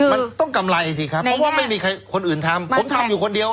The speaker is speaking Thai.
มันต้องกำไรสิครับเพราะว่าไม่มีใครคนอื่นทำผมทำอยู่คนเดียว